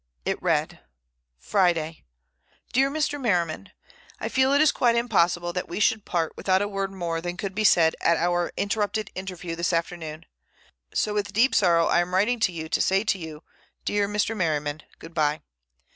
It read: "Friday. "Dear Mr. Merriman,—I feel it is quite impossible that we should part without a word more than could be said at our interrupted interview this afternoon, so with deep sorrow I am writing to you to say to you, dear Mr. Merriman, 'Good bye.